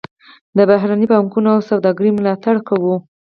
د بهرنۍ پانګونې او سوداګرۍ ملاتړ کاوه.